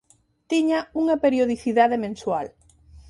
Tiña unha periodicidade mensual.